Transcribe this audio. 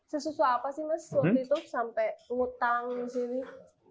sesusah apa sih mas waktu itu sampai ngutang disini